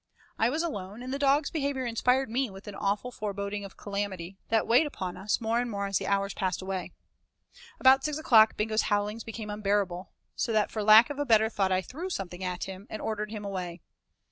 I was alone, and the dog's behavior inspired me with an awful foreboding of calamity, that weighed upon us more and more as the hours passed away. About six o'clock Bingo's howlings became unbearable, so that for lack of a better thought I threw something at him, and ordered him away.